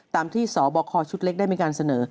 ตามที่สบคชุดเล็กได้มีการเสนอ